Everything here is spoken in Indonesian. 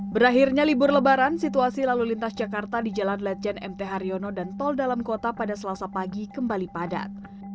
berakhirnya libur lebaran situasi lalu lintas jakarta di jalan ledjen mt haryono dan tol dalam kota pada selasa pagi kembali padat